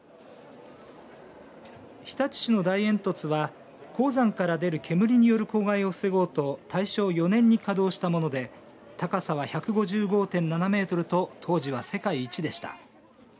日立市の大煙突は鉱山から出る煙による公害を防ごうと大正４年に稼働したもので高さは１５５．７メートルと当時は世界一でした。